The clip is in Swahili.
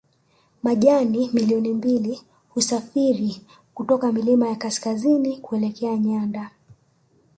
Majani milioni mbili husafiri kutoka milima ya kaskazini kuelekea nyanda